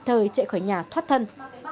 người chạy khỏi nhà thoát thân